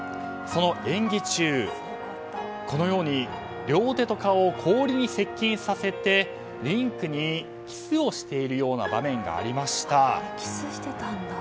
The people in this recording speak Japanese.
その演技中このように両手と顔を氷に接近させてリンクにキスをしているような場面がありました。